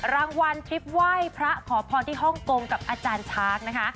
รางวัลทริปไหว้พระขอพรที่ฮ่องกงกับอาจารย์ช้างนะคะ